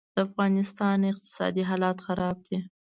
دافغانستان اقتصادي حالات خراب دي